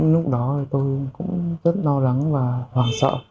lúc đó thì tôi cũng rất lo lắng và hoảng sợ